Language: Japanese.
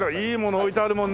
置いてあるもんね。